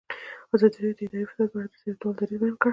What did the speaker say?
ازادي راډیو د اداري فساد په اړه د سیاستوالو دریځ بیان کړی.